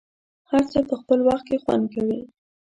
هر څه په خپل وخت کې خوند کوي.